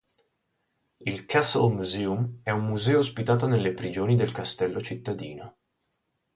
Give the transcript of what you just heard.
Il Castle Museum è un museo ospitato nelle prigioni del castello cittadino.